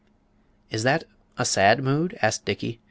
"Is that a sad mood?" asked Dickey.